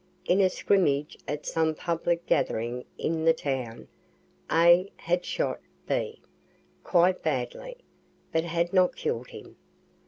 In a scrimmage at some public gathering in the town, A. had shot B. quite badly, but had not kill'd him.